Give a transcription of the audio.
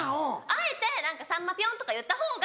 あえて何かさんまぴょん！とか言った方が。